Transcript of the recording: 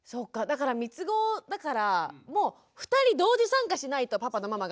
だからみつごだからもう２人同時参加しないとパパとママが。